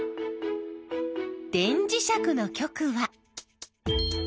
電磁石の極は。